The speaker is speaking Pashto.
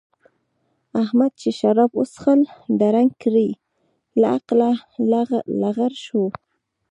احمد چې شراب وڅښل؛ درنګ ګړۍ له عقله لغړ شو.